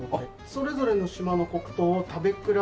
それぞれの島の黒糖を食べ比べられるという。